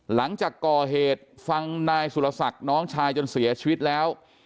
หลังจากก่อเหตุฟังนายสุรศักดิ์น้องชายจนเสียชีวิตแล้ว